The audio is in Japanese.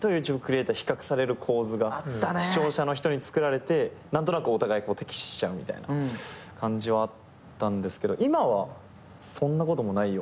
比較される構図が視聴者の人につくられて何となくお互い敵視しちゃうみたいな感じはあったんですけど今はそんなこともないような気がしてて。